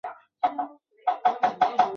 贝恩维莱尔。